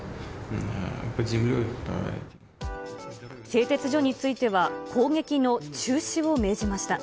製鉄所については、攻撃の中止を命じました。